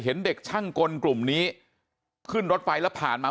เห็นเด็กช่างกลกลุ่มนี้ขึ้นรถไฟแล้วผ่านมา